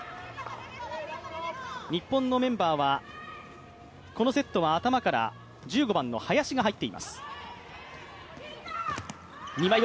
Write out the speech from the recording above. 日本のメンバーはこのセットは頭から１５番の林が入っています。